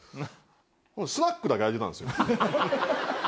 スナックだけ開いてたんすよ。